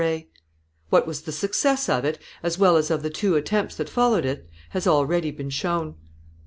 What was the success of it, as well as of the two attempts that followed it, has already been shown.